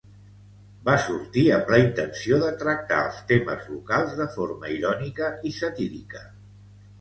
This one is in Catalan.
Va sortir amb la intenció de tractar els temes locals de forma irònica i satírica.